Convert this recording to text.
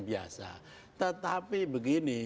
biasa tetapi begini